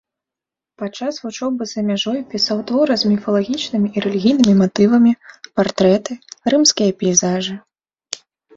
Падчас вучобы за мяжой пісаў творы з міфалагічнымі і рэлігійнымі матывамі, партрэты, рымскія пейзажы.